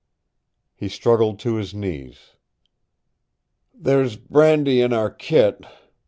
He struggled to his knees. "There's brandy in our kit.